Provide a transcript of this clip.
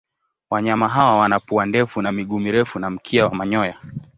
Wanyama hawa wana pua ndefu na miguu mirefu na mkia wa manyoya.